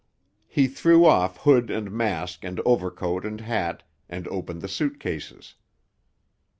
He threw off hood and mask and overcoat and hat, and opened the suit cases.